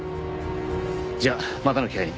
じゃあまたの機会に。